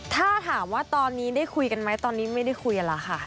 ถ้าถามว่าตอนนี้ได้คุยกันไหมตอนนี้ไม่ได้คุยกันแล้วค่ะ